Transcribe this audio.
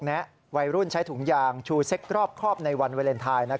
แนะวัยรุ่นใช้ถุงยางชูเซ็กรอบครอบในวันวาเลนไทย